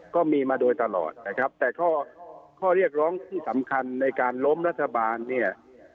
ก็มีมาโดยตลอดนะครับแต่ข้อข้อเรียกร้องที่สำคัญในการล้มรัฐบาลเนี่ย